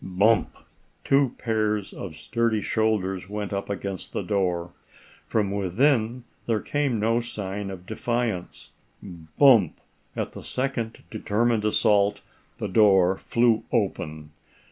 Bump! Two pairs of sturdy shoulders went up against the door. From within there came no sign of defiance. Bump! At the second determined assault the door flew open.